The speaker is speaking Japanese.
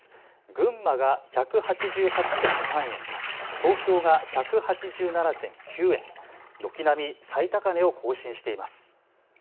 群馬が１８８．３円、東京が１８７．９円、軒並み最高値を更新しています。